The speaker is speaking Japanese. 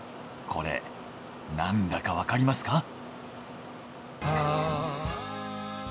これなんだかわかりますか？